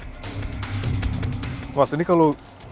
mas ini kalau tauran memang sudah langsung menyiapkan semua barangnya